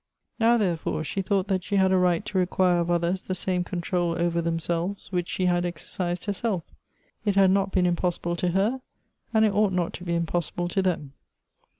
Now, therefore, she thousht that she had a right to re quire "bf others the same control over themselves whichjl she had exercised herselfl it had not been impossible to her, and it ought not to be impossible to them.